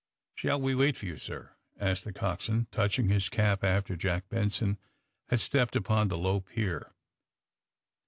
^^ Shall we wait for you, sir?" asked the cox swain, touching his cap after Jack Benson had stepped upon the low pier.